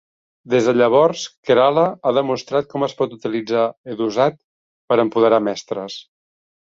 Des de llavors, Kerala ha demostrat com es pot utilitzar Edusat per empoderar mestres.